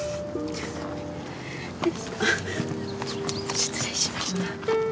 失礼しました。